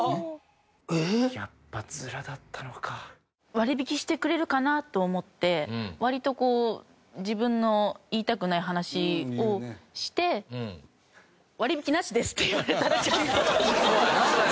割り引きしてくれるかなと思って割とこう自分の言いたくない話をして「割り引きなしです」って言われたらちょっと。